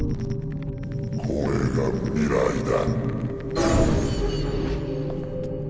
これが未来だ。